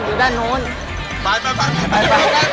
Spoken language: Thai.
ไปไปไป